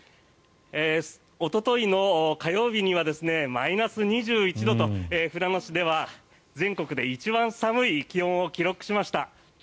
おとといの火曜日にはマイナス２１度と富良野市では全国で一番寒い気温を記録しました。